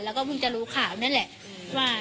แล้วก็เพิ่งจะรู้ข่าวนี่แหละว่า